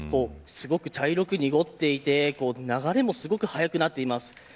すごく茶色く濁っていて流れもすごく速くなっています。